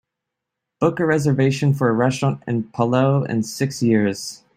Book a reservation for a restaurant in Palau in six years